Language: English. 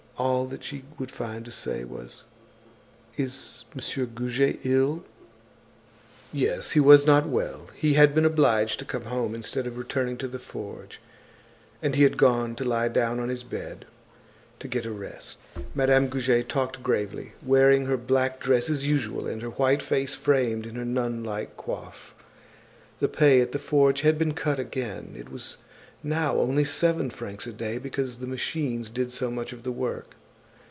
All that she would find to say was: "Is Monsieur Goujet ill?" Yes, he was not well. He had been obliged to come home instead of returning to the forge, and he had gone to lie down on his bed to get a rest. Madame Goujet talked gravely, wearing her black dress as usual and her white face framed in her nun like coif. The pay at the forge had been cut again. It was now only seven francs a day because the machines did so much of the work.